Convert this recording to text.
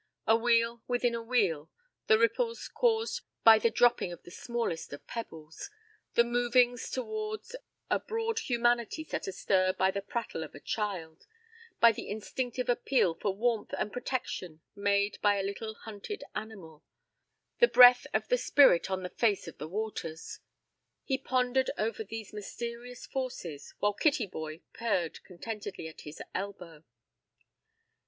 A wheel within a wheel, the ripples caused by the dropping of the smallest of pebbles; the movings toward a broad humanity set astir by the prattle of a child; by the instinctive appeal for warmth and protection made by a little hunted animal; the breath of the spirit on the face of the waters! He pondered over these mysterious forces, while Kittyboy purred contentedly at his elbow.